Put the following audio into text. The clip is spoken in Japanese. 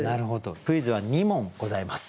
クイズは２問ございます。